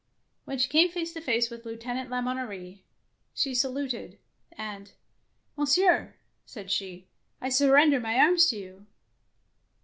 When she came face to face with Lieutenant La Monnerie, she saluted, and — "Monsieur,'' said she, "I surrender my arms to you."